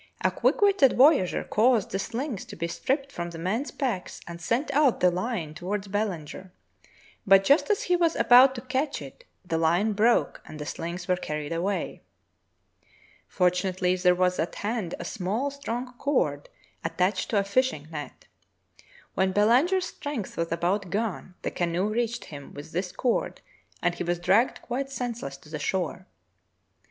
A quick witted voyageur caused the shngs to be stripped from the men's packs and sent out the hne toward Belanger, but just as he was about to catch it the hne broke and the shngs were carried away. Fortunately there was at hand a small, strong cord attached to a fishing net. When Belanger's strength was about gone the canoe reached him with this cord and he was dragged quite senseless to the shore.